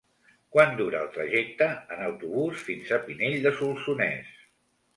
Quant dura el trajecte en autobús fins a Pinell de Solsonès?